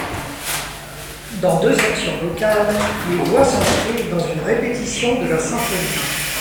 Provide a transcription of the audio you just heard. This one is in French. Dans deux sections vocales, les voix s'inscrivent dans une répétition de la sinfonia.